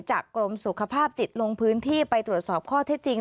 กรมสุขภาพจิตลงพื้นที่ไปตรวจสอบข้อเท็จจริง